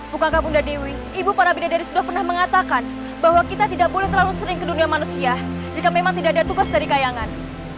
bukankah bunda dewi ibu para bidadari sudah pernah mengatakan bahwa kita tidak boleh terlalu sering ke dunia manusia jika memang tidak ada tugas dari kayangan